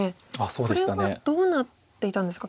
これはどうなっていたんですか。